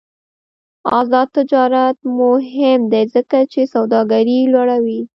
آزاد تجارت مهم دی ځکه چې سوداګري لوړوي.